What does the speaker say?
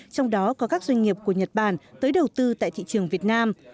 trong đó có các doanh nghiệp của nhật bản tới đầu tư tại thị trường việt nam